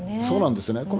そうなんですね。